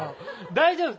大丈夫。